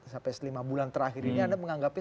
sampai lima bulan terakhir ini anda menganggapnya